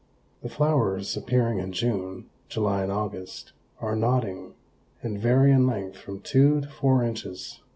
The flowers, appearing in June, July and August, are nodding and vary in length from two to four inches.